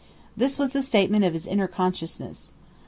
This was the statement of his inner consciousness.